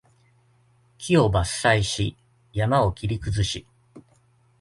木を伐採し、山を切り崩し